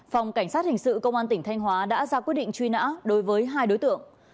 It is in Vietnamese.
phòng cảnh sát hình sự công an tỉnh thanh hóa đã ra quyết định truy nã đối với hai đối tượng